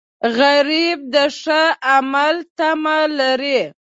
غریب د ښه عمل تمه لري